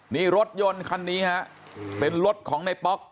นี่รถยนต์คันนี้ฮะเป็นรถของในป๊อก